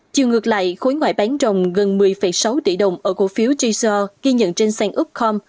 chiều ngược lại khối ngoại bán rồng gần một mươi sáu tỷ đồng ở cổ phiếu jer ghi nhận trên sàn upcom